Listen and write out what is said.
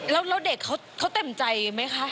แล้วเด็กเขาเต็มใจไหมคะ